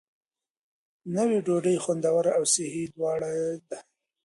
نوې ډوډۍ خوندوره او صحي دواړه ده.